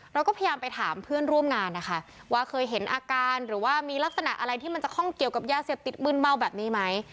เราก็พยายามไปถามเพื่อนร่วมงานนะคะว่าเคยเห็นอาการหรือว่ามีลักษณะอะไรที่มันจะข้องเกี่ยวกับยาเสพติดมืนเมาแบบนี้ไหม